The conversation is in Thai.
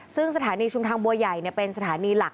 ซึ่งสถานีชุมทางบัวใหญ่เป็นสถานีหลัก